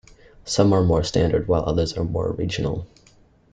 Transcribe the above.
Some are more standard, while others are more regional.